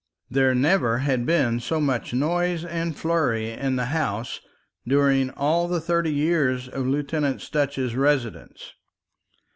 There never had been so much noise and flurry in the house during all the thirty years of Lieutenant Sutch's residence.